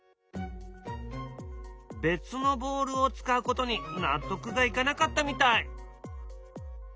別のボールを使うことに納得がいかなかったみたい。